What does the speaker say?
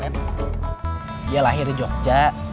dia lahir di jogja